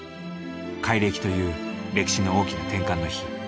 改暦という歴史の大きな転換の日。